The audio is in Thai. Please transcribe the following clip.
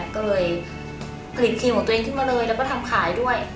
ก็เลยผลิตครีมของตัวเองขึ้นมาเลยแล้วก็ทำขายด้วย